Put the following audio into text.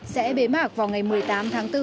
sẽ bế mạc vào ngày một mươi tám tháng bốn